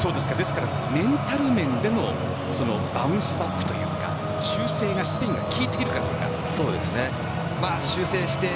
メンタル面でのバウンスバックというか修正がスペインが効いてくるかどうか。